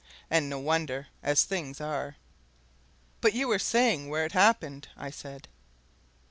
And no wonder as things are!" "But you were saying where it happened," I said.